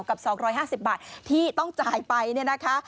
กับ๒๕๐บาทที่ต้องจ่ายไปเนี่ยนะคะ